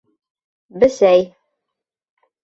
Бесәй.